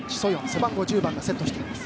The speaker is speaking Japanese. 背番号１０番がセットしています。